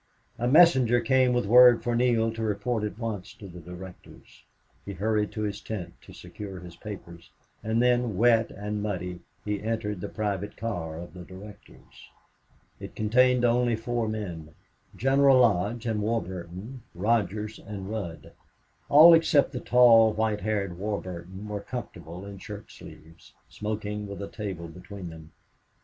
A messenger came with word for Neale to report at once to the directors. He hurried to his tent to secure his papers, and then, wet and muddy, he entered the private car of the directors. It contained only four men General Lodge, and Warburton, Rogers, and Rudd. All except the tall, white haired Warburton were comfortable in shirt sleeves, smoking with a table between them.